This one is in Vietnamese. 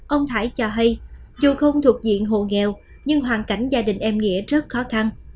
ông thái cho hay dù không thuộc diện hộ nghèo nhưng hoàn cảnh gia đình em nghĩa rất khó khăn